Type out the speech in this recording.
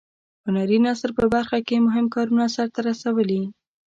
هنري نثر په برخه کې یې مهم کارونه سرته رسولي.